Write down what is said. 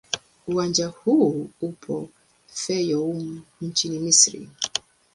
Uwanja huu upo Fayoum nchini Misri.